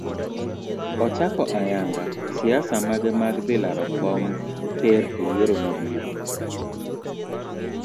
Ochako ayanga siasa mage mag dhi laro kom ker eyiero mabiro.